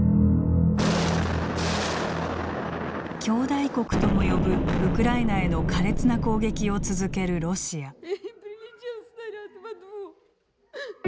兄弟国とも呼ぶウクライナへの苛烈な攻撃を続けるロシア。